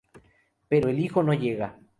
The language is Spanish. Pero el hijo no llega.